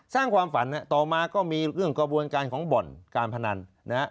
สร้างความฝันต่อมาก็มีเรื่องกระบวนการของบ่อนการพนันนะฮะ